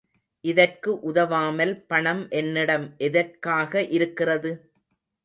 இதற்கு உதவாமல், பணம் என்னிடம் எதற்காக இருக்கிறது?